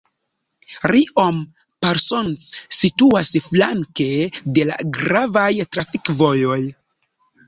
Riom-Parsonz situas flanke de la gravaj trafikvojoj.